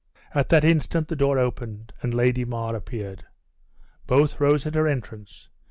At this instant the door opened, and Lady Mar appeared. Both rose at her entrance.